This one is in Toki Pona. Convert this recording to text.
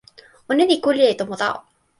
ona li kule e tomo tawa.